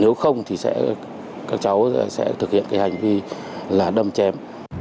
nếu không thì các cháu sẽ thực hiện cái hành vi là đâm chém